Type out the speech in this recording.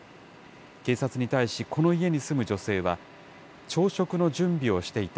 警察に対し、この家に住む女性は、朝食の準備をしていた。